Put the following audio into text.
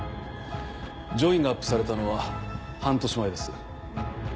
『ジョイン』がアップされたのは半年前です。